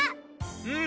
うん。